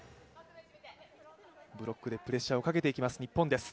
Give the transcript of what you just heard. ブロックでプレッシャーをかけていきます日本です。